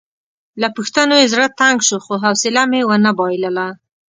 له پوښتنو یې زړه تنګ شو خو حوصله مې ونه بایلله.